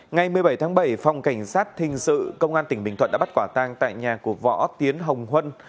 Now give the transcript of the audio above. ngày một mươi bảy tháng bảy phòng cảnh sát hình sự công an tỉnh bình thuận đã bắt quả tang tại nhà của võ tiến hồng huân